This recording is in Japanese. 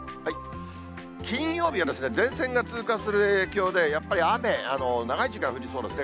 金曜日は前線が通過する影響で、やっぱり雨、長い時間降りそうですね。